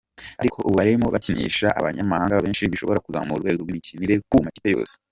Ariko ubu barimo bakinisha abanyamahanga benshi bishobora kuzamura urwego rw’imikinire ku makipe yose.